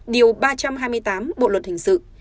điều ba trăm hai mươi tám bộ luật hình sự